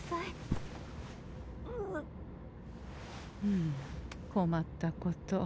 うむ困ったこと。